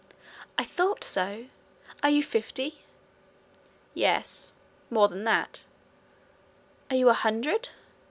'I thought so. Are you fifty?' 'Yes more than that.' 'Are you a hundred?'